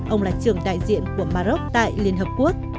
ông là trưởng đại diện của maroc tại liên hợp quốc